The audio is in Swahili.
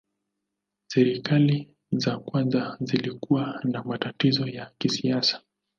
Serikali za kwanza zilikuwa na matatizo ya kisiasa.